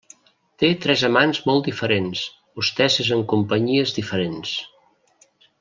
Té tres amants molt diferents, hostesses en companyies diferents.